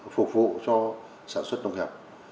phục vụ cho sản xuất nông nghiệp